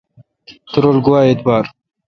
تو رل گوا اعتبار۔